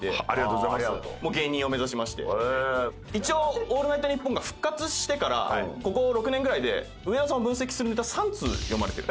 一応『オールナイトニッポン』が復活してからここ６年ぐらいで上田さんを分析するネタ３通読まれてる。